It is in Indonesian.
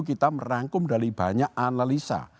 kita merangkum dari banyak analisa